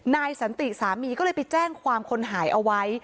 นายสันติสามีก็เลยไปแจ้งความคนหายเอาไว้